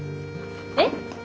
えっ？